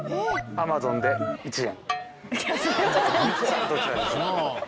Ａｍａｚｏｎで１円。